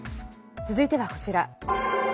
続いては、こちら。